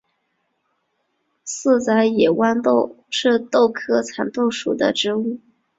四籽野豌豆是豆科蚕豆属的植物。